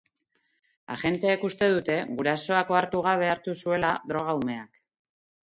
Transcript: Agenteek uste dute gurasoak ohartu gabe hartu zuela droga umeak.